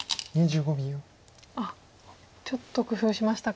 あっちょっと工夫しましたか。